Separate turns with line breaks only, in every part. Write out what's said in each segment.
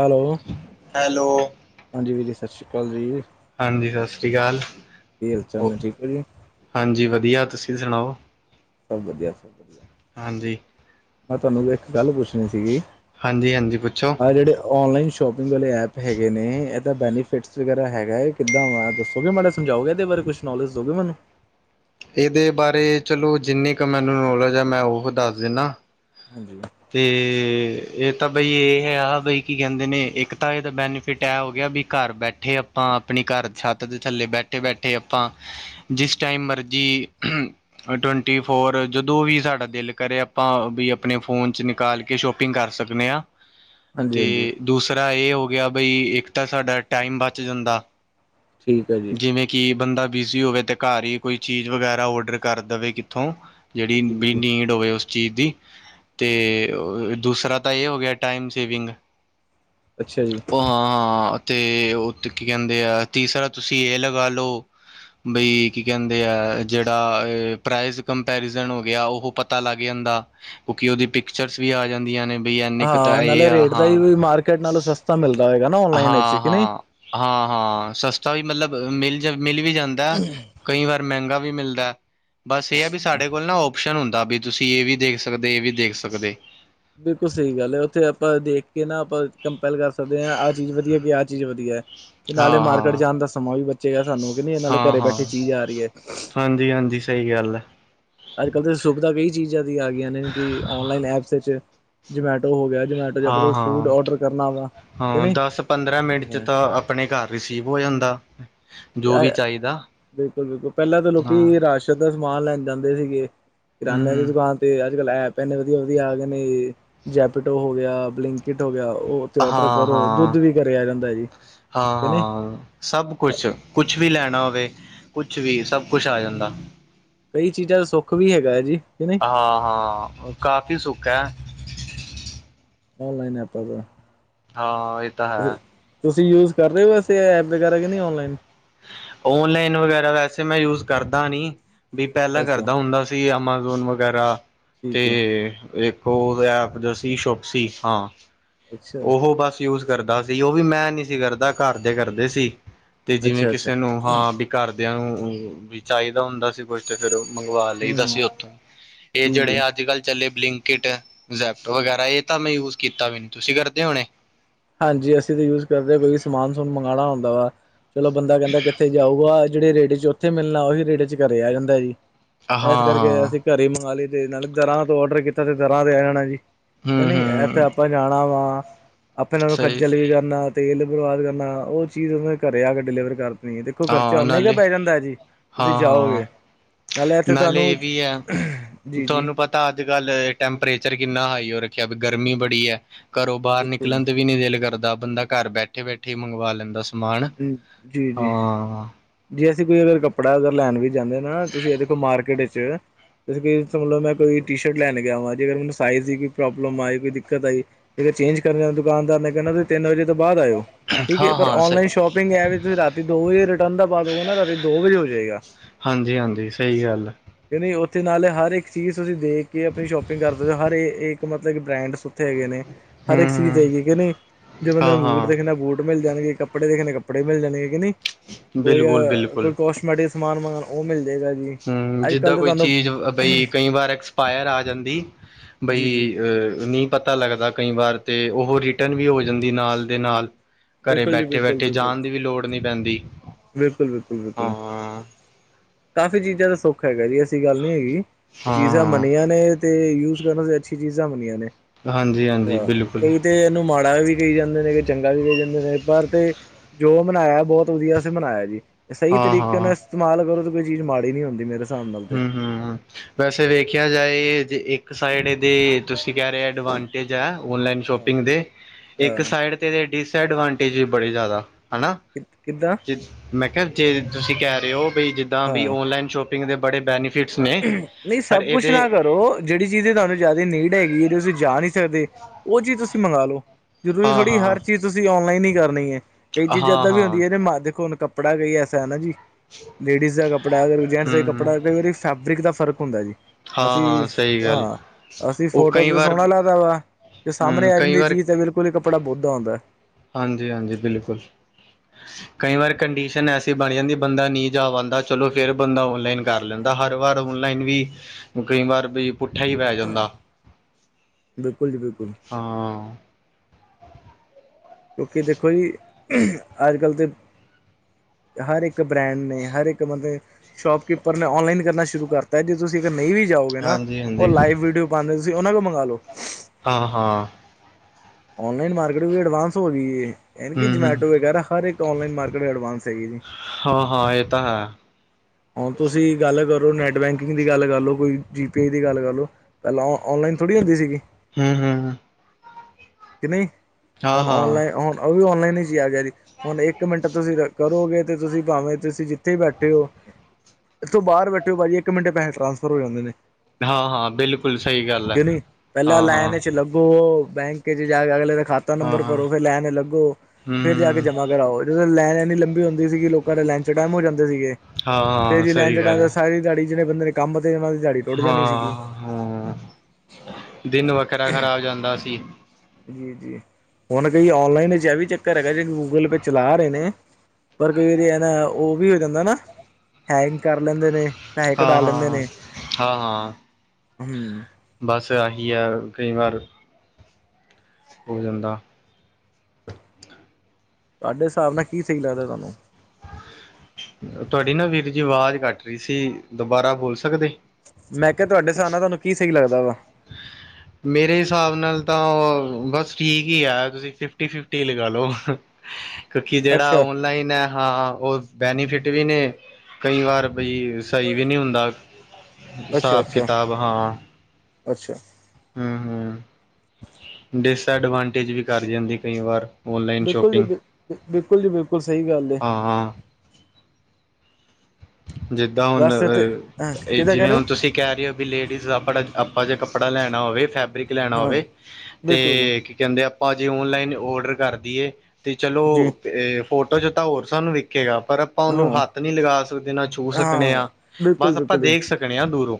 Hello.
Hello.
ਹਾਂਜੀ ਵੀਰ ਜੀ, ਸਤਿ ਸ਼੍ਰੀ ਅਕਾਲ ਜੀ।
ਹਾਂਜੀ ਸਤਿ ਸ਼੍ਰੀ ਅਕਾਲ,
ਕੀ ਹਾਲ ਚਾਲ ਨੇ ਠੀਕ ਹੋ ਜੀ,
ਹਾਂਜੀ ਵਧੀਆ ਤੁਸੀ ਸੁਣਾਓ?
ਸਭ ਵਧੀਆ।
ਹਾਂਜੀ।
ਮੈਂ ਤੁਹਾਨੂੰ ਇੱਕ ਗੱਲ ਪੁੱਛਣੀ ਸੀਗੀ
ਹਾਂਜੀ ਹਾਂਜੀ ਪੁੱਛੋ
ਆਹ ਜਿਹੜੇ ਔਨਲਾਈਨ ਸ਼ੋਪਿੰਗ ਵਾਲੇ ਐਪ ਹੈਗੇ ਨੇ ਏਦਾ ਬੈਨੀਫਿਟਸ ਵਗੈਰਾ ਹੈਗਾ ਏ ਕਿੱਦਾਂ ਵਾ, ਦੱਸੋਗੇ ਮਾੜਾ, ਸਮਝਾਓਗੇ ਏਦੇ ਬਾਰੇ ਕੁਛ? ਨੌਲੇਜ ਦੋਗੇ ਮੈਨੂੰ?
ਇਹਦੇ ਬਾਰੇ ਚਲੋ ਜਿੰਨੀ ਕੁ ਮੈਨੂੰ ਨੌਲੇਜ ਹੈ ਮੈਂ ਓਹ ਦੱਸ ਦਿੰਨਾ।
ਹਾਂਜੀ।
ਇਹ ਤਾਂ ਬਈ ਏਹ ਹੈ, ਬਈ ਕੀ ਕਹਿੰਦੇ ਨੇ, ਇੱਕ ਤਾਂ ਏਹਦਾ ਬੈਨੀਫਿਟ ਐ ਹੋ ਗਿਆ ਬਈ। ਘਰ ਬੈਠੇ ਆਪਾਂ ਆਪਣੀ ਘਰ ਛੱਤ ਦੇ ਥੱਲੇ ਬੈਠੇ ਬੈਠੇ ਆਪਾਂ ਜਿਸ ਟਾਈਮ ਮਰਜੀ। ਜੀ। ਟਵੰਟੀ ਫੋਰ ਜਦੋਂ ਵੀ ਸਾਡਾ ਦਿਲ ਕਰੇ ਆਪਾਂ ਵੀ ਅਪਣੇ ਫੋਨ ਚ ਨਿਕਾਲ। ਕੇ ਸ਼ੋਪਿੰਗ ਕਰ ਸਕਨੇ ਆ।
ਹਾਂਜੀ
ਤੇ
ਹਾਂਜੀ,
ਦੂਸਰਾ ਇਹ ਹੋ ਗਿਆ ਬਈ ਇਕ ਤਾਂ ਸਾਡਾ ਟਾਈਮ ਬਚ ਜਾਂਦਾ।
ਠੀਕ ਹੈ ਜੀ,
ਜਿਵੇਂ ਕਿ ਬੰਦਾ ਬਿਜ਼ੀ ਹੋਵੇ ਤੇ ਘਰ ਹੀ ਕੋਈ। ਚੀਜ਼ ਵਗੈਰਾ ਓਡਰ ਕਰ ਦੇਵੇ ਕਿੱਥੋਂ ਜੇਹੜੀ
ਜੀ
ਵੀ
ਜੀ।
ਨੀਡ ਹੋਵੇ ਉਸ ਚੀਜ਼ ਦੀ।
ਜੀ।
ਤੇ ਦੂਸਰਾ ਤਾਂ ਏਹ ਹੋ ਗਿਆ ਟਾਈਮ ਸੇਵਿੰਗ
ਅੱਛਾ ਜੀ,
ਓਹਾਂ ਹਾਂ ਤੇ ਓ ਤੇ ਕੀ ਕਹਿੰਦੇ ਆ ਤੀਸਰਾ ਤੁਸੀ ਏਹ ਲਗਾ ਲਓ ਬਈ ਕੀ ਕਹਿੰ ਦੇ ਆ ਜਿਹੜਾ ਅ ਪ੍ਰਾਈਜ਼ ਕੰਪੈਰੀਜ਼ਨ ਹੋ ਗਿਆ ਉਹ ਪਤਾ ਲੱਗ ਜਾਂਦਾ। ਕਿ ਓਹਦੀ ਪਿਕਚਰਸ ਵੀ ਆ ਜਾਂਦੀਆਂ ਨੇ। ਬਈ ਏਨੇ ਕ ਦਾ
ਹਾਂ
ਏਹ
ਨਾਲੇ ਰੇਟ
ਆਹਾ।
ਦਾ ਹੀ ਵੀ ਮਾਰਕੀਟ ਨਾਲੋਂ ਸਸਤਾ ਮਿਲਦਾ ਹੋਏਗਾ ਨਾ ਔਨਲਾਈਨ ਵਿੱਚ
ਹਾਂ
ਕਿ ਨਹੀਂ।
ਹਾਂ। ਹਾਂ ਹਾਂ ਸਸਤਾ ਵੀ ਮਤਲਬ ਮਿਲ ਜ ਮਿਲ ਵੀ ਜਾਂਦਾ ਐ। ਕਈ ਵਾਰ ਮਹਿੰਗਾ ਵੀ ਮਿਲਦਾ ਐ। ਬਸ ਏਹ ਹੈ ਕਿ ਸਾਡੇ ਕੋਲ ਨਾ ਔ ਪਸ਼ਨ ਹੁੰਦਾ ਵੀ ਤੁਸੀ ਇਹ ਵੀ ਦੇਖ ਸਕਦੇ ਇਹ ਵੀ ਦੇਖ ਸਕਦੇ।
ਬਿਲਕੁਲ ਸਹੀ ਗੱਲ ਹੈ ਉੱਥੇ ਆਪਾਂ ਦੇਖ ਕੇ ਨਾ ਆਪਾਂ ਕੰਪੇਲ ਕਰ ਸਕਦੇ ਆਂ ਆਹ ਚੀਜ਼ ਵਧੀਆ ਕਿ ਆਹ ਚੀਜ਼ ਵਧੀਆ ਐ। ਤੇ
ਹਾਂ
ਨਾਲੇ ਮਾਰਕੀਟ
ਹਾਂ
ਜਾਣ ਦਾ ਸਮਾਂ ਵੀ ਬਚੇਗਾ ਸਾਨੂੰ ਕੇ ਨੀ ਏ ਨਾਲੇ ਘਰੇ ਬੈਠੇ ਚੀਜ਼ ਆ ਰਹੀ ਐ।
ਜੀ ਹਾਂਜੀ, ਸਹੀ ਗੱਲ ਐ।
ਅੱਜ ਕੱਲ੍ਹ ਤਾਂ ਸੁਵਿਧਾ ਕਈ ਚੀਜ਼ਾਂ ਦੀ ਆ ਗਈਆ ਨੇ ਕਿ ਔਨਲਾਈਨ ਐਪਸ ਵਿੱਚ ਜਮੈਟੋ ਹੋ ਗਿਆ। ਜਮੈਟੋ ਜੇ ਆਪਾਂ
ਹਾਂ
ਕੋਈ ਫੂਡ
ਹਾਂ
ਔਡਰ ਕਰਨਾ ਵਾ ਕਿ
ਹਾਂ
ਨਹੀਂ
ਦਸ ਪੰਦਰਾਂ ਮਿੰਟ ਚ
ਹੈ।
ਤਾਂ ਅ ਆਪਣੇ ਘਰ ਰਿਸੀਵ ਹੋ ਜਾਂਦਾ। ਜੋ
ਆ
ਵੀ ਚਾਹੀਦਾ
ਬਿਲਕੁਲ ਬਿਲਕੁਲ ਪਹਿਲਾਂ ਤਾਂ
ਹਾਂ
ਲੋਕੀ ਰਾਸ਼ਨ। ਦਾ ਸਮਾਨ ਲੈਣ ਜਾਂਦੇ ਸੀਗੇ
ਹਮ
ਕਿਰਾਨੇ ਦੀ
ਹਮ
ਦੁਕਾਨ ਤੇ ਅੱਜ ਕੱਲ੍ਹ ਐਪ ਐਨੇ ਵਧੀਆ ਵਧੀਆ ਆ ਗਏ ਨੇ ਜੈਪੀਟੋ ਹੋ ਗਿਆ ਬਲਿੰਕਟ ਹੋ ਗਿਆ ਉਹ। ਤੇ ਓਡਰ
ਹਾਂ
ਕਰੋ
ਹਾਂ
ਦੁੱਧ ਵੀ ਘਰੇ ਆ ਜਾਂਦਾ ਜੀ
ਹਾਂ
ਕੇ ਨੀ।
ਹਾਂ ਸਭ ਕੁਛ, ਕੁਛ ਵੀ ਲੈਣਾ ਹੋਵੇ ਕੁਛ ਵੀ ਸਭ ਕੁਛ ਆ ਜਾਂਦਾ।
ਕਈ ਚੀਜ਼ਾਂ ਦਾ ਸੁੱਖ ਵੀ ਹੈਗਾ ਏ ਜੀ। ਕੇ ਨੀ।
ਹਾਂ, ਹਾਂ ਕਾਫੀ ਸੁੱਖ ਐ।
ਔਨਲਾਈਨ ਐਪਾਂ ਦਾ
ਹਾਂ ਇਹ ਤਾਂ ਹੈ।
ਤੁਸੀਂ ਯੂਜ ਕਰ ਰਹੇ ਹੋ ਵੈਸੇ ਐਪ ਵਗੈਰਾ ਕਿ ਨਹੀਂ ਔਨਲਾਈਨ?
ਓਨਲਾਈਨ ਵਗੈਰਾ ਵੈਸੇ ਮੈਂ ਯੂਜ ਕਰਦਾ ਨੀ, ਵੀ ਪਹਿਲਾਂ
ਅੱਛਾ
ਕਰਦਾ ਹੁੰਦਾ ਸੀ। ਸੀ। ਅਮਾਜ਼ੋਨ ਵਗੈਰਾ ਤੇ
ਠੀਕ ਹੈ
ਉਹ ਸੀ ਸ਼ੁੱਪਸੀ ਹਾਂ।
ਅੱਛਾ
ਉਹ ਬਸ ਯੂਜ ਕਰਦਾ ਸੀ ਉਹ ਵੀ ਮੈਂ ਨੀ ਸੀ ਕਰਦਾ ਘਰ ਦੇ ਕਰਦੇ ਸੀ। ਤੇ ਜਿਵੇਂ
ਅੱਛਾ ਅੱਛਾ
ਕਿਸੇ ਨੂੰ ਹਾਂ। ਘਰਦਿਆਂ ਨੂੰ ਵੀ ਚਾਹੀਦਾ ਹੁੰਦਾ ਸੀ। ਕੁਛ ਤੇ ਫੇਰ ਮੰਗਵਾ
ਹਮ
ਲਈਦਾ
ਹਮ
ਸੀ ਉੱਥੋਂ। ਇਹ
ਠੀਕ ਹੈ
ਜਿਹੜੇ ਅੱਜ ਕੱਲ ਚੱਲੇ ਬਲਿੰਕ ਕਿਟੈਪਟ ਵਗੈਰਾ ਇਹ ਤਾਂ ਮੈਂ ਯੂਜ ਕੀਤਾ ਵੀ ਨੀ ਤੁਸੀਂ ਕਰਦੇ ਹੋਣੇ।
ਹਾਂਜੀ। ਅਸੀਂ ਤਾਂ ਯੂਜ ਕਰਦੇ ਹਾਂ ਕੋਈ ਸਮਾਨ- ਸਮੂ ਮੰਗਵਾਉਣਾ ਹੁੰਦਾ ਵਾ। ਚਲੋ ਬੰਦਾ ਕਹਿੰਦਾ ਕਿੱਥੇ ਜਾਊਗਾ ਜਿਹੜੇ ਰੇਟ 'ਚ ਉੱਥੇ ਮਿਲਣਾ। ਉਹੀ ਰੇਟ ਚ' ਘਰੇ ਆ ਜਾਂਦਾ ਜੀ।
ਹਾਂ
ਇਸ ਕਰਕੇ
ਹਾਂ
ਅਸੀਂ ਘਰੇ ਹੀ ਮੰਗ ਲਈ ਤੇ ਨਾਲੇ ਘਰਾਂ ਤੋਂ ਔਡਰ ਕੀਤਾ ਤੇ ਘਰਾਂ ਤੇ ਆ ਜਾਣਾ ਜੀ। ਕ ਨਹੀਂ ਇੱਥੇ
ਹੂੰ-ਹੂੰ
ਆਪਾਂ ਜਾਣਾ ਵਾ। ਆਪਣੇ ਨਾਲ ਨੂੰ
ਸਹੀ
ਖੱਜਲ ਵੀ ਕਰਨਾ। ਤੇਲ ਬਰਬਾਦ ਕਰਨਾ। ਉਹ ਚੀਜ਼ ਉਹ ਦੇ ਘਰੇ ਆ ਕੇ ਡਿਲੀਵਰ ਕਰ। ਨਹੀਂ, ਦੇਖੋ ਖਰਚਾ
ਹਾਂ
ਓਨਾੇ ਹੀ
ਨਾਲੇ
ਪੈ ਜਾਂਦਾ ਜੀ। ਤੁਸੀਂ
ਹਾਂ-ਹਾਂ
ਜਾਓਗੇ। ਨਾਲੇ ਇੱਥੇ ਤੁਹਾਨੂੰ
ਇਹ ਵੀ ਹੈ
ਜੀ ਜੀ।
ਤੁਹਾਨੂੰ ਪਤਾ ਅੱਜ ਕੱਲ ਟੈਂਪਰੇਚਰ ਕਿੰਨਾ ਹਾਈ ਉਹ ਰੱਖਿਆ ਵੀ ਗਰਮੀ ਬੜੀ ਹੈ। ਘਰੋਂ ਬਾਹਰ
ਬਿਲਕੁਲ
ਨਿਕਲਣ ਤੇ ਵੀ ਨੀ ਦਿਲ ਕਰਦਾ। ਬੰਦਾ ਘਰ ਬੈਠੇ ਬੈਠੇ ਮੰਗਵਾ ਲੈਂਦਾ ਸੀ।
ਜੀ- ਜੀ- ਜੀ ਅਸੀਂ ਕੋਈ ਅਗਰ ਕੱਪੜਾ ਅਗਰ ਲੈਣ ਵੀ ਜਾਂਦੇ ਨਾ ਤੁਸੀਂ ਇਹ ਦੇਖੋ ਮਾਰਕੀਟ ਚ' ਜੇ ਕਿ ਮਤਲਬ ਮੈਂ ਕੋਈ ਟੀ ਸ਼ਰਟ ਲੈਣ ਗਿਆ ਵਾਂ ਜੇ ਅਗਰ ਮੈਨੂੰ ਸਾਈਜ਼ ਦੀ ਕੋਈ ਪ੍ਰੋਬਲਮ ਆਈ, ਕੋਈ ਦਿੱਕਤ ਆਈ। ਜ ਚੇਂਜ ਕਰਨ ਦੁਕਾਨਦਾਰ ਨੇ ਕਹਿੰਣਾ ਤੁਸੀਂ ਤਿੰਨ ਵਜੇ ਤੋਂ ਬਾਅਦ ਆਇਓ।
ਹਾਂ
ਠੀਕ ਹੈ ਪਰ
-ਹਾਂ
ਔਨਲਾਈਨ
ਸਹੀ।
ਸ਼ੋਪਿੰਗ ਹੈ ਤੁ ਰਾਤੀ ਦੋ ਵਜੇ ਰਿਟਰਨ ਦਾ ਬਾਅਦ ਹੋਊ ਨਾ ਰਾਤੀ ਦੋ ਵਜੇ ਹੋ ਜਾਏਗਾ।
ਹਾਂਜੀ- ਹਾਂਜੀ ਸਹੀ ਗੱਲ।
ਕਿਉਂ ਨਹੀਂ ਉੱਥੇ ਨਾਲ ਹਰ ਇੱਕ ਚੀਜ਼ ਤੁਸੀਂ ਦੇਖ ਕੇ ਆਪਣੀ ਸ਼ੋਪਿੰਗ ਕਰ ਸਕਦੇ ਹੋ ਹਰ ਇੱਕ ਮਤਲਬ ਇੱਕ ਬ੍ਰੈਂਡ ਹੈਗੇ ਨੇ। ਹਰ ਇੱਕ ਚੀਜ਼
ਹੂੰ-ਹੂੰ
ਹੈਗੀ ਹੈਗੇ ਨਹੀਂ ਜੇ ਬੰਦੇ ਨੂੰ ਬੂਟ
ਹਾਂ-ਹਾਂ
ਦੇਖਣਾ ਬੂਟ ਮਿਲ ਜਾਣਗੇੱ। ਕੱੜੇ ਦੇਖਣੇ ਕੱਪੜੇ ਮਿਲ ਜਾਣੇ ਹੈਗੇ ਨੀ। ਕੋਈ-
ਬਿਲਕੁਲ-ਬਿਲਕੁਲ
ਕੋਈ ਕਸਮੈਟਿਕ ਸਮਾਨ ਵਗ ਉਹ ਮਿਲ ਜਾਏਗਾ। ਜੀ
ਹਮ,
ਅੱਜ ਕੱਲ੍ਹ
ਜਿੱਦਾਂ
ਤਾਂ
ਕੋਈ
ਤੁਹਾਨੂੰ
ਚੀਜ਼ ਬਈ। ਕਈ ਵਾਰ ਐਕ ਪਾ ਇਰ ਆ ਜਾਂਦੀ ਬਈ
ਜੀ ਜੀ
ਨ ਪਤਾ ਲੱਗਦਾ ਕਈ ਵਾਰ ਤੇ ਉਹ ਰਿਟਰਨ ਵੀ ਹੋ ਜਾਂਦੀ ਨਾਲ ਦੇ ਨਾਲ। ਘਰੇ
ਬਿਲਕੁਲ ਜੀ
ਬੈਠੇ
ਬਿਲਕੁਲ
-ਬੈਠੇ
ਬਿਲਕੁਲ
ਜਾਣ ਦੀ ਵੀ ਲੋੜ ਨਹੀਂ ਪੈਂਦੀ।
ਬਿਲਕੁਲ- ਬਿਲਕੁਲ -ਬਿਲਕੁਲ
ਹਾਂ
ਕਾਫ਼ੀ ਚੀਜ਼ਾਂ ਦਾ ਸੁੱਖ ਹੈਗਾ ਜੀ ਐਸੀ ਗੱਲ ਨਹੀਂ ਹੈਗੀ। ਚੀਜ਼ਾਂ
ਹਾਂ
ਮੰਨੀਆਂ ਨੇ। ਤੇ ਯੂਜ ਕਰਨ ਤੇ ਅੱਛੀ ਚੀਜ਼ਾਂ ਬਨੀਆਂ ਨੇ।
ਹਾਂਜੀ ਹਾਂਜੀ
ਹਾਂ,
ਬਿਲਕੁਲ
ਕਈ ਤੇ ਨ ਨੂੰ ਮਾੜਾ ਵੀ ਕਹੀ ਜਾਂਦੇ ਨੇ ਕਿ ਚੰਗਾ ਵੀ ਕਹੀ ਜਾਂਦੇ ਨੇ। ਪਰ ਤੇ ਜੋ ਮਨਾਇਆ ਬਹੁਤ ਵਧੀਆ। ਮਨਾਇਆ ਜੀ। ਸਹੀ
ਹਾਂ
ਤਰੀਕੇ
ਹਾਂ
ਨਾਲ ਇਸਤੇਮਾਲ ਕਰੋ ਤੇ ਕੋਈ ਚੀਜ਼ ਮਾੜੀ ਨੀ ਹੁੰਦੀ ਮੇਰੇ। ਹਿਸਾਬ ਨਾਲ ਤੇ
ਹਮ- ਹਮ ਹ ਵੈਸੇ ਵੇਖਿਆ ਜਾਏ ਜੇ ਇੱਕ ਸਾਈਡ ਇਹਦੇ ਤੁਸੀਂ ਕਹਿ ਰਹੇ ਅਡਵਾਂਟੇਜ ਹੈ ਓਨਲਾਈਨ
ਹਾਂ
ਸ਼ੋਪਿੰਗ ਦੇ। ਇੱਕ
ਹਾਂ
ਸਾਈਡ ਤੇ ਐਡਵਾਂਟੇਜ ਵੀ ਬੜੀ ਜ਼ਿਆਦਾ ਹਨਾ।
ਕਿ ਕਿੱਦਾਂ
ਮੈਂ ਕਿਹਾ, ਜੇ ਤੁਸੀਂ ਕਹਿ ਰਹੇ ਹੋ। ਬ ਜਿੱਦਾਂ ਵੀ
ਹਾਂ
ਔਨਲਾਈਨ ਸ਼ੋਪਿੰਗ ਦੇ ਬੜੇ ਬੈਨੀਫਿ
ਨਹੀਂ ਸਭ ਕੁਛ ਨਾ ਕਰੋ। ਜਿਹੜੀ ਚੀਜ਼ ਤੁਹਾਨੂੰ ਜ਼ਿਆਦਾ ਨੀਡ ਹੈਗੀ ਹੈ ਤੁਸੀਂ ਜਾ ਨਹੀਂ ਸਕਦੇ। ਉਹ ਚੀਜ਼ ਤੁਸੀਂ ਮੰਗ ਲਓ। ਜ਼ਰੂਰੀ
ਹਾਂ
ਥੋੜ੍ਹੀ
ਹਾਂ
ਹਰ ਚੀਜ਼ ਤੁਸੀਂ ਔਨਲਾਈਨ ਹੀ ਕਰਨੀ ਹੈ। ਕਈ ਚੀਜ਼
ਹਾਂ
ਐਦਾਂ ਵੀ
ਹਾਂ
ਹੁੰਦੀ ਹੈਦੇ ਮ ਦੇਖ ਹੁੱ ਕੱਪੜਾ ਕਈ ਐਸਾ ਹੈ ਨਾ ਜੀ। ਲੇਡੀਜ਼ ਦਾ ਕਪੜਾ ਅਗਰ ਉਹ ਜੇਟਸ ਦਾ
ਹਮ
ਕੱਪੜਾ ਕਈ ਵਾਰ ਫੈਬਰਿਕ ਦਾ ਫ਼ਰਕ ਹੁੰਦਾ ਜੀ।
ਹਾਂ
ਅਸੀਂ
ਹਾਂ ਸਹੀ ਗੱਲ
ਹਾਂ। ਅਸੀਂ
ਉਹ
ਫੋਟੋ
ਕਈ
ਤੇ
ਵਾਰ
ਸੋਹਣਾ ਲੱਗਦਾ ਵਾ। ਸਾਮਣੇ
ਹਮ
ਆ
ਕਈ
ਜਾਂਦੀ
ਵਾਰ
ਚੀਜ਼ ਬਿਲਕੁਲ ਕਪੜਾ ਬਹੁੱਦਾ ਹੁੰਦਾ।
ਹਾਂਜੀ -ਹਾਂਜੀ ਬਿਲਕੁਲ। ਕਈ ਵਾਰ ਕੰਡੀਸ਼ਨ ਐਸੀ ਬਣ ਜਾਂਦੀ ਬੰਦਾ ਨਹੀਂ ਜਾ ਪਾਉਂਦਾ। ਚਲੋ ਫਿਰ ਬੰਦਾ ਔਨਲਾਈਨ ਕਰ ਕਰ ਲੈਂਦਾ। ਹਰ ਵਾਰ ਓਨਲਾਈਨ ਵੀ ਕਈ ਵਾਰ ਵੀ ਪੁੱਠਾ ਹੀ ਪੈ ਜਾਂਦਾ
ਬਿਲਕੁਲ ਜੀ ਬਿਲਕੁਲ
ਹਾਂ।
ਕਿਉਂਕਿ, ਦੇਖੋ ਜੀ ਅੱਜ ਕੱਲ ਦੇ ਹਰ ਇੱਕ ਬ੍ਰੈਂਡ ਨੇ ਹਰ ਇੱਕ ਮਤਲਬ ਸ਼ੋਪਕੀਪਰ ਨੇ ਔਨਲਾਈਨ ਕਰਨਾ ਸ਼ੁਰੂ ਕਰਤਾ ਜੇ ਤੁਸੀਂ ਅਗਰ ਨਹੀਂ ਵੀ ਜਾਓਗੇ ਨਾ
ਹਾਂਜੀ
ਉਹ
ਹਾਂਜੀ
ਲਾਈਵ ਵੀਡੀਓ। ਭਾਵੇਂ ਤੁਸੀਂ ਉਹਨਾ ਕੋ ਮੰਗ ਲੋ।
ਹਾਂ ਹਾਂ।
ਔਨਲਾਈਨ ਮਾਰਕੀ ਵੀ ਐਡਵਾਂਸ ਹੋ ਗਈ ਹੈ। ਸਵਿਗੀ,
ਹਮ ਹਮ
ਜਮੈਟੋ ਵਗੈਰਾ ਹਰ ਇੱਕ ਔਨਲਾਈਨ ਮਾਰਕੀਟ ਐਡਵਾਂਸ ਹੈਗੀ ਜੀ
ਹਾਂ ਹਾਂ ਇਹ ਤਾਂ ਹੈ।
ਹੁਣ ਤੁਸੀਂ ਗੱਲ ਕਰੋ ਨੈੱਟ ਬੈਂਕਿੰਗ ਦੀ ਗੱਲ ਕਰ ਲੋ ਕੋਈ ਜੀ ਪੀ ਆਈ ਦੀ ਗੱਲ ਕਰ ਲਓ। ਪਹਿਲਾਂ ਔਨਲਾਈਨ ਥੋੜੀ ਹੁੰਦੀ ਸੀਗੀ।
ਹਾਂ ਹਾਂ।
ਕਿ ਨਹੀਂ
ਹਾਂ
ਹੁਣ
ਹਾਂ
ਔਨਲਾਈਨ ਹੁਣ ਉਹ ਵੀ ਔਨਲਾਈਨ ਹੀ ਜੀ ਆ ਗਿਆ ਜੀ। ਹੁਣ ਇੱਕ ਮਿੰਟ ਤੁਸੀਂ ਕਰੋਗੇ ਤੇ ਤੁਸੀਂ ਭਾਵੇਂ ਤੁਸੀਂ ਜਿੱਥੇ ਬੈਠੇ ਹੋ। ਤੁਸੀਂ ਬਾਹਰ ਬੈਠੇ ਹੋ ਭਾਜੀ, ਇੱਕ ਮਿੰਟੇ ਪੈਸੇ ਟਰਾਂਸਫਰ ਜਾਂਦੇ ਨੇ।
ਹਾਂ, ਹਾਂ, ਬਿਲਕੁਲ ਸਹੀ ਗੱਲ ਹੈ ਹਾਂ ਹਾਂ।
ਉਹ ਬੈਂਕ ਚ ਜਾ ਕੇ ਅਗਲੇ ਦਾ ਖਾਤਾ ਨੰਬਰ
ਹਾਂ-ਹਾਂ।
ਭਰੋ ਫੇਰ ਲਾਈਨ ਲੱਗੋ
ਹੂੰ
ਫੇਰ ਜਾ ਕੇ
ਹਾਂ ਹਮ
ਜਮਾ। ਵਗੈਰਾ ਜੋਂ ਲਾਈਨ ਇੰਨੀ ਲੰਬੀ ਹੁੰਦੀ ਸੀਗੀ ਲੋਕਾਂ ਦੇ ਲੰਚ ਟਾਈਮ ਹੋ ਜਾਂਦੇ ਸੀਗੇ।
ਹਾਂ ਹਾਂ
ਤੇਜ਼ੀ ਲੈਣ ਜਾ
ਸਹੀ ਗੱਲ
ਏਦਾਂ ਸਾਰੀ ਦਾਹਾੜੀ ਜਿਹੜੇ ਬੰਦੇ ਨੇ। ਕੰਮ ਤੇ ਇਹਨਾਂ ਦੀ ਦਿਹਾੜੀ ਟੁੱਟ ਜਾਣੀ ਸੀਗੀ।
ਹਾਂ ਹਾਂ। ਦਿਨ ਵੱਖਰਾ ਖ਼ਰਾਬ ਜਾਂਦਾ ਸੀ।
ਜੀ ਜੀ ਹੁਣ ਕਈ ਔਨਲਾਈਨ ਇਹ ਵੀ ਚੱਕਰ ਹੈਗਾ ਜੇ ਗੂਗਲ ਪੇ ਚਲਾ ਰਹੇ ਨੇ। ਪਰ ਕਈ ਵਾਰੀ ਇਹ ਨਾ ਉਹ ਵੀ ਹੋ ਜਾਂਦਾ ਨਾ ਹੈਗ ਕਰ ਲੈਂਦੇ ਨੇ। ਪੈਸੇ ਕਢਾ ਲੈਂਦੇ
ਹਾਂ-ਹਾਂ।
ਨੇ
ਹਾਂ-ਹਾਂ
ਹਮ।
ਬਸ ਆਹੀ ਆ ਕਈ ਵਾਰ। ਹੋ ਜਾਂਦਾ।
ਤੁਹਾਡੇ ਹਿਸਾਬ ਨਾਲ ਕੀ ਸਹੀ ਲੱਗਦਾ ਤੁਹਾਨੂੰ?
ਤੁਹਾਡੀ ਨਾ ਵੀਰ ਜੀ ਆਵਾਜ਼ ਕੱਟ ਰਹੀ ਸੀ। ਦੁਬਾਰਾ ਬੋਲ ਸਕਦੇ।
ਮੈਂ ਕਿਹਾ ਤੁਹਾਡੇ ਹਿਸਾਬ ਨਾਲ ਤੁਹਾਨੂੰ ਕੀ ਸਹੀ ਲੱਗਦਾ ਵਾ?
ਮੇਰੇ ਹਿਸਾਬ ਨਾਲ ਤਾਂ ਉਹ ਬਸ ਠੀਕ ਹੀ ਆ ਤੁਸੀਂ ਫਿਫਟੀ ਫਿਫਟੀ ਲਗਾ ਲਓ। ਕਿਉਂਕਿ ਜਿਹੜਾ
ਅੱਛਾ
ਔਨਲਾਈਨ ਹੈ। ਹਾਂ ਬਹੁਤ ਬੈਨੀਫਿਟ ਵੀ ਨੇ ਕਈ ਵਾਰ ਬਈ। ਸਹੀ ਵੀ ਨਹੀਂ ਹੁੰਦਾ
ਅੱਛਾ
ਹਿਸਾਬ
ਅੱਛਾ
ਕਿਤਾਬ ਹਾਂ।
ਅੱਛਾ
ਹਮ ਹਮ ਡਿਸਐਡਵਾਂਟੇਜ ਵੀ ਕਰ ਜਾਂਦੀ ਕਈ ਵਾਰ। ਔਨਲਾਈਨ
ਬਿਲਕੁਲ
ਸ਼ੋਪਿੰਗ
ਜੀ, ਬਿਲਕੁਲ ਜੀ, ਬਿਲਕੁਲ ਸਹੀ ਗੱਲ ਹੈ।
ਹਾਂ ਜਿੱਦਾਂ ਹੁਣ,
ਵੈਸੇ ਤੇ ਹਾਂ
ਇਹ
ਕਿੱਦਾਂ ਕਹਿ
ਜਿਵੇਂ
ਰਹੇ
ਹੁਣ ਤੁਸੀਂ ਕਹਿ ਰਹੇ ਹੋ। ਵੀ ਲੇਡੀਜ਼ ਆਪਣਾ ਆਪਾਂ ਜੇ ਕੱਪੜਾ ਲੈਣਾ ਹੋਵੇ ਫੈਬਰਿਕ ਲੈਣਾ
ਹੋ ਹਾਂ
ਹੋਵੇ। ਤੇ
ਬਿਲਕੁਲ
ਕਹਿੰਦੇ ਆਪਾਂ ਜੇ ਓਨਲਾਈਨ ਔਡਰ ਕਰ ਦਈਏ ਤੇ ਚਲੋ
ਜੀ
ਅ। ਫੋਟੋ ਚ ਤਾਂ ਹੋਰ ਸਾਨੂੰ ਵਿਖੇਗਾ ਪਰ ਆਪਾਂ ਉਹਨੂੰ
ਹਾਂ
ਹੱਥ ਨਹੀ ਲਗਾ। ਕਦੇ ਨਾ ਛੂਹ ਸਕਦੇ
ਹਾਂ
ਆ ਬਸ
ਬਿਲਕੁਲ
ਆਪਾਂ
ਬਿਲਕੁਲ ਜੀ
ਦੇਖ ਸਕਦੇ ਹਾਂ ਦੂਰੋਂ।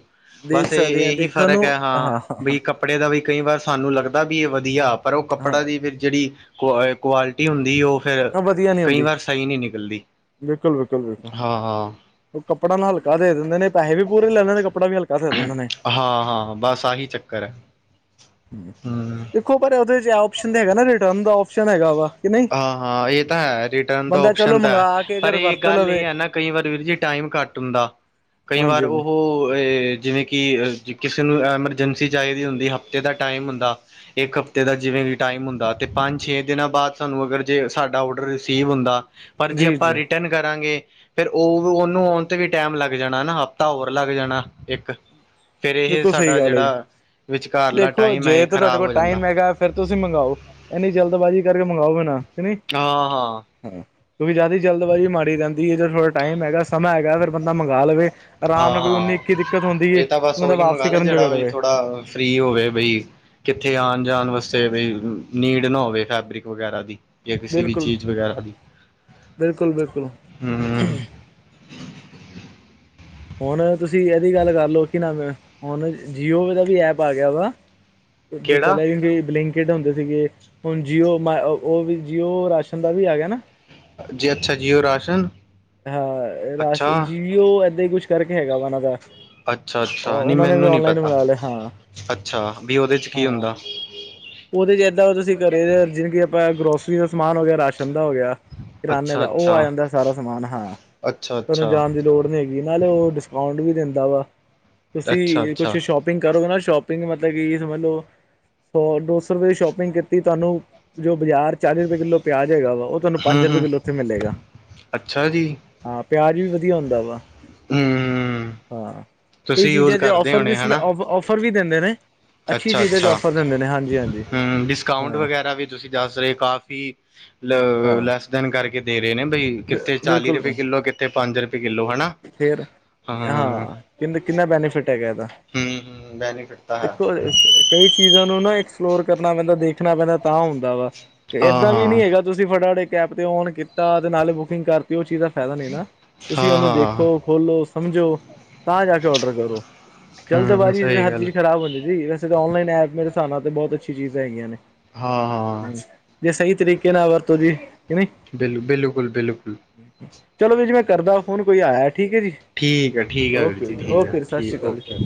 ਦੇਖ
ਬਸ ਇਹ
ਸਕਦੇ ਹਾਂ
ਇਹੀ
ਦੇਖਣ
ਫ਼ਰਕ
ਨੂੰ
ਹੈ ਹਾਂ ਬਈ
ਹਾਂ
ਕੱਪੜੇ ਦਾ ਵੀ ਕਈ ਵਾਰ ਸਾਨੂੰ ਲੱਗਦਾ ਵੀ ਇਹ ਵਧੀਆ। ਪਰ ਉਹ ਕਪੜਾ ਦੀ ਫਿਰ ਜਿਹੜੀ ਕੁ ਕੁਆਲਿਟੀ ਹੁੰਦੀ ਉਹ। ਫਿਰ
ਹਾਂ ਵਧੀਆ ਨੀ
ਕਈ
ਹੁੰਦੀ
ਵਾਰ ਸਹੀ ਨਹੀਂ ਨਿਕਲਦੀ
ਬਿਲਕੁਲ ਬਿਲਕੁਲ ਬਿਲਕੁਲ
ਹਾਂ ਹਾਂ।
ਉਹ ਕੱਪੜਾ ਨਾਲ ਹਲਕਾ ਦੇ ਦਿੰਦੇ ਪੈੇ ਵੀ ਪੂਰੇ ਲੈਂਦੇ ਨੇ ਕੱਪਾ ਵੀ ਹਲਕਾ। ਦੇ ਦਿੰਦੇ ਨੇ
ਹਾਂ, ਹਾਂ ਬਸ ਆਹੀ ਚੱਕਰ ਐ, ਹੂੰ
ਦੇਖੋ ਪਰ ਓਦੇ ਚ ਔਪਸ਼ਨ ਤੇ ਹੈਗਾ ਨਾ, ਰਿਟਰਨ ਦਾ ਓਪਸ਼ਨ ਹੈਗਾ ਵਾ, ਕਿ ਨਈਂ
ਹਾਂ, ਹਾਂ ਇਹ ਤਾ ਹੈ, ਰਿਟ ਰਿਟਰਨ ਦਾ ਓਪਸ਼ਨ ਤਾਂ ਐ,
ਮੰਗਵਾ ਕੇ
ਪਰ
ਅਗਰ
ਏ
ਵਰਤ
ਗੱਲ ਏ
ਲਵੇ
ਐਨਾ, ਕਈ ਵਾਰ ਵੀਰ ਜੀ ਟਾਈਮ ਘੱਟ ਹੁੰਦਾ। ਕਈ ਵਾਰ,
ਹਾਂਜੀ ਹਾਂਜੀ,
ਉਹੋ ਏ ਜਿਵੇਂ ਕਿ ਕਿ ਕਿਸੇ ਨੂੰ ਐਮਰਜੈਂਸੀ ਚਾਹੀਦੀ ਹੁੰਦੀ, ਹਫ਼ਤੇ ਦਾ ਟਾਈਮ ਹੁੰਦਾ। ਇੱਕ ਹਫਤੇ ਦਾ ਜਿਵੇਂ ਵੀ ਟਾਈਮ ਹੁੰਦਾ, ਤੇ ਪੰਜ-ਛੇ ਦਿਨਾਂ ਬਾਦ ਸਾਨੂੰ ਅਗਰ ਜੇ ਸਾਡਾ ਆਰਡਰ ਰਿਸੀਵ ਹੁੰਦਾ, ਪਰ ਜੇ
ਜੀ
ਅਪਾਂ
ਜੀ
ਰਿਟਰਨ ਕਰਾਂਗੇ ਫੇਰ ਓ ਓਨੂੰ ਆਉਣ ਤੇ ਵੀ ਟੈਮ ਲੱਗ ਜਾਣਾ ਨਾ, ਹਫ਼ਤਾ ਹੋਰ ਲੱਗ ਜਾਨਾ, ਇੱਕ। ਫੇਰ, ਇਹ
ਬਿਲਕੁਲ ਸਹੀ
ਸਾਡਾ
ਗੱਲ ਹੈ ਜੀ
ਜਿਹੜਾ ਵਿਚਕਾਰਲਾ ਟਾਈਮ ਐ, ਏ ਖ਼ਰਾਬ ਹੋ ਜਾਂਦਾ।
ਫੇਰ, ਤੁਸੀ ਮੰਗਵਾਓ, ਐੱਨੀ ਜਲਦਬਾਜ਼ੀ ਕਰਕੇ ਮੰਗਾਵਾਓ ਵੀ ਨਾ
ਆਂ, ਹਾਂ।
ਹਾਂ, ਕਿਓਕਿ ਜਿਆਦਾ ਜਲਦਬਾਜ਼ੀ ਮਾੜੀ ਰਹਿੰਦੀ ਏ, ਜਦੋ ਥੋੜਾ ਟਾਈਮ ਹੈਗਾ, ਸਮਾਂ ਹੈਗਾ ਫੇਰ ਬੰਦਾ ਮੰਗਾ ਲਵੇ। ਆਰਾਮ
ਹਾਂ
ਨਾਲ ਕੋਈ
ਹਾਂ
ਉਨੀ-ਇੱਕੀ ਦਿੱਕਤ ਹੁੰਦੀ ਏ, ਕਿ ਬੰਦਾ ਵਾਪਸੀ ਕਰਨ ਜੋਗਾ ਰਵੇ।
ਆ, ਫ੍ਰੀ ਹੋਵੇ ਬਈ। ਕਿੱਥੇ ਆਉਣ-ਜਾਣ ਵਾਸਤੇ ਵੀ, ਨੀਡ ਨਾ ਹੋਵੇ ਫੈਬਰਿਕ ਵਗੈਰਾ ਦੀ ਜੇ ਕਿਸੀ ਵੀ
ਬਿਲਕੁਲ
ਚੀਜ਼ ਵਗੈਰਾ ਦੀ,
ਬਿਲਕੁਲ ਬਿਲਕੁਲ
ਹੂੰ
ਹਣ ਤੁਸੀ ਐਦੀ ਗੱਲ ਕਰਲੋ ਕਿ ਨਾਮ ਏ, ਹੁਨ ਜੀਓ ਦਾ ਵੀ ਐਪ ਆ ਗਿਆ ਵਾ। ਜੇ
ਕਿਹੜਾ
ਪਹਿਲਾਂ [unintelligible] ਬਲਿੰਕ ਬਲਿੰਕਿਟ ਹੁੰਦੇ ਸੀਗੇ, ਹੁਨ ਜੀਓ ਮਾਏ ਔ ਓ ਵੀ ਜੀਓ ਰਾਸ਼ਨ ਦਾ ਵੀ ਆ ਗਿਆ ਨਾ।
ਜੀ ਅੱਛਾ, ਜੀਓ ਰਾਸ਼ਨ।
ਹਾ, ਰਾਸ਼
ਅੱਛਾ
ਜੀਓ ਏਦਾਂ ਈ ਕੁੱਛ ਕਰਕੇ ਹੈਗਾ ਵਾ ਓਹਨਾਂ ਦਾ।
ਅੱਛਾ, ਅੱਛਾ ਨੀ
ਉਹਨਾਂ ਨੇ ਵੀ
ਮੈਨੂੰ ਨੀ
ਔਨਲਾਈਨ
ਪਤਾ,
ਬਣਾ ਲਿਆ ਹਾਂ
ਅੱਛਾ ਵੀ ਓਹਦੇ ਚ ਕੀ ਹੁੰਦਾ?
ਉਦੇ ਚ ਏੱਦਾ ਤੁਸੀ ਕਰੇ ਜੇ ਜਿਵੇਂ ਕਿ ਆਪਾ ਗਰੋਸਰੀ ਦਾ ਸਮਾਨ ਹੋ ਗਿਆ, ਰਾਸ਼ਨ ਦਾ ਹੋ ਗਿਆ। ਕਰਿਆਨੇ
ਅੱਛਾ
ਦਾ, ਓ ਆ
ਅੱਛਾ
ਜਾਂਦਾ ਸਾਰਾ ਸਮਾਨ। ਹਾਂ,
ਅੱਛਾ
ਫੇਰ ਓਹ
ਅੱਛਾ
ਜਾਣ ਦੀ ਲੋ ਲੋੜ ਨੀ ਹੈਗੀ ਨਾਲੇ ਓ ਡਿਸਕਾਊਂਟ ਵੀ ਦੇੰਦਾ ਵਾ,
ਅੱਛਾ
ਤੁਸੀ ਕੁੱਛ
ਅੱਛਾ
ਸ਼ੋਪ ਸ਼ੋਪਿੰਗ ਕਰੋਗੇ ਨਾ, ਸ਼ੋਪਿੰਗ ਮਤਲਬ ਕਿ ਸਮਝ ਲੋ ਸੌ-ਦੋ ਸੌ ਰੁਪਏ ਦੀ ਸ਼ੋਪਿੰਗ ਕੀਤੀ ਤੁਹਾਨੂੰ ਜੋ ਬਜ਼ਾਰ ਚਾਲੀ ਰੁਪਏ ਕਿੱਲੋ ਪਿਆਜ ਹੈਗਾ ਵਾ, ਓ
ਹੂੰ, ਹੂੰ, ਅੱਛਾ ਜੀ।
ਹਾਂ, ਪਿਆਜ ਵੀ ਵਧੀਆ ਹੁੰਦਾ ਵਾ।
ਹਮ
ਹਾਂ, ਕਈ
ਤੁਸੀਂ ਯੂਜ
ਚੀਜ਼ਾਂ ਚ
ਕਰਦੇ ਹੋਣੇ
ਔਫਰਸ ਵੀ,
ਹਨਾ
ਔਫ ਔਫਰ ਵੀ ਦਿੰਦੇ ਨੇ। ਅੱਛੀ
ਅੱਛਾ,
ਚੀਜ਼ਾਂ ਚ
ਅੱਛਾ,
ਔਫਰ ਦਿੰਦੇ ਨੇ ਹਾਂਜੀ ਹਾਂਜੀ
ਹੂੰ ਡਿਸਕਾਊਂਟ
ਹਾਂ
ਵਗੈਰਾ ਵੀ ਤੁਸੀ [unintelligible] ਕਾਫੀ ਲ
ਹਾਂ
ਲੈਸ ਦੈਨ ਕਰਕੇ ਦੇ ਰਹੇ ਨੇ ਬਈ
ਬਿ
ਕਿੱਥੇ ਚਾਲੀ ਰੁਪਏ ਕਿੱਲੋ, ਕਿੱਥੇ ਪੰਜ ਰੁਪਏ ਕਿੱਲੋ ਹੈਨਾ
ਫਿਰ, ਹਾਂ ਕਿੰ ਕਿੰਨਾ ਬੈਨੀਫਿਟ ਹੈਗਾ ਐਦਾ?
ਹੂੰ ਹੂੰ ਬੈਨੀਫਿਟ ਤਾਂ ਹੈ
ਦੇਖੋ, ਕਈ ਚੀਜ਼ਾ ਨੂੰ ਨਾ ਐਕਸਪਲੋਰ ਕਰਨਾ ਪੈਂਦਾ, ਦੇਖਨਾ ਪੈਂਦਾ ਤਾਂ ਹੁੰਦਾ ਵਾ, ਤੇ
ਹਾਂ
ਐਦਾਂ ਵੀ ਨੀ
ਹਾਂ
ਹੈਗਾ ਤੁਸੀ ਫਟਾਫਟ ਏਕ ਐਪ ਤੇ ਔਨ ਕੀਤਾ, ਤੇ ਨਾਲੇ ਬੁਕਿੰਗ ਕਰ ਦਿਤੀ, ਓ ਚੀਜ਼ ਦਾ ਫਾਇਦਾ ਨੀ ਨਾ, ਤੁਸੀ ਓਹਨੂੰ
ਹਾਂ
ਦੇਖ
ਹਾਂ
ਖੋਲੋ, ਸਮਝੋ, ਤਾਂ ਜਾ ਕੇ ਆਰਡਰ ਕਰੋ।
ਹੂੰ
ਜਲਦਬਾਜ਼ੀ ਚ ਤੇ
ਸਹੀ
ਹਰ
ਗੱਲ
ਚੀਜ਼ ਖ਼ਰਾਬ ਹੁੰਦੀ ਜੀ, ਵੈਸੇ ਤਾ ਔਨਲਾਈਨ ਐਪ ਮੇਰੇ ਹਿਸਾਬ ਨਾਲ ਤੇ ਬਹੁਤ ਅੱਛੀ ਚੀਜ਼ਾਂ ਹੈਗੀਆਂ
ਹਾਂ ਹਾਂ
ਨੇ। ਜੇ ਸਹੀ ਤਰੀਕੇ ਨਾਲ ਵਰਤੋ ਜੀ, ਕਿ ਨਈ
ਬਿਲਕੁਲ, ਬਿਲਕੁਲ, ਬਿਲਕੁਲ।
ਚਲੋ ਵੀਰ ਜੀ ਮੈਂ ਕਰਦਾ ਫੋਨ, ਕੋਈ ਆਇਆ ਏ ਠੀਕ ਐ ਜੀ,
ਠੀਕ ਹੈ ਠੀਕ ਹੈ ਵੀਰ
ਓਕੇ,
ਜੀ ਠੀਕ
ਓਕੇ,
ਹੈ
ਸਤਿ ਸ੍ਰੀ
ਠੀਕ
ਅਕਾਲ।
ਓਕੇ